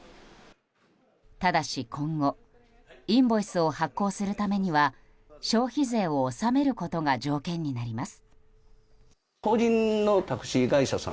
ただし、今後インボイスを発行するためには消費税を納めることが条件になります。